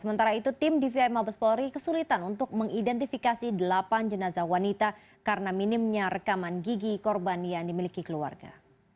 sementara itu tim dvi mabes polri kesulitan untuk mengidentifikasi delapan jenazah wanita karena minimnya rekaman gigi korban yang dimiliki keluarga